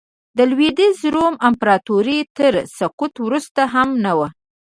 د لوېدیځ روم امپراتورۍ تر سقوط وروسته هم نه و